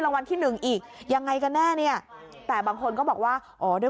รางวัลที่หนึ่งอีกยังไงกันแน่เนี่ยแต่บางคนก็บอกว่าอ๋อด้วย